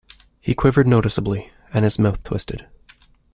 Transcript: He quivered noticeably, and his mouth twisted.